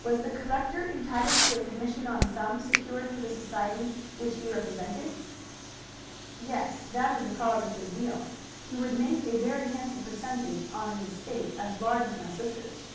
"Was the collector entitled to a commission on sums secured for the societies which he represented?" "Yes, that is the cause of his zeal. He would make a very handsome percentage on an estate as large as my sister's."